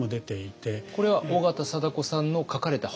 これは緒方貞子さんの書かれた本？